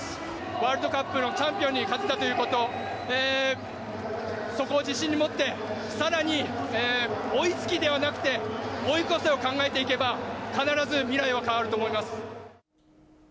ワールドカップのチャンピオンに勝てたということ、そこを自信に持って、さらに追いつきではなくて、追い越せを考えていけば、必ず未来は変わると思います。